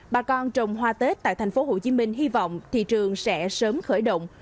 bà con trồng hoa tết tại thành phố hồ chí minh hy vọng thị trường sẽ sớm khởi động